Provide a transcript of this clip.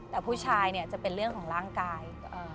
แต่ผู้ชายเนี่ยจะเป็นเรื่องของร่างกาย